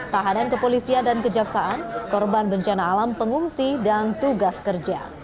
tahanan kepolisian dan kejaksaan korban bencana alam pengungsi dan tugas kerja